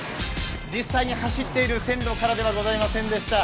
実際に走っている線路からではございませんでした。